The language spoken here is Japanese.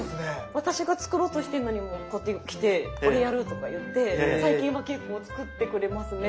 私が作ろうとしてるのにこうやって来て「俺やる」とか言って最近は結構作ってくれますね。